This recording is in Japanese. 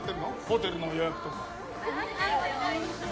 ホテルの予約とか。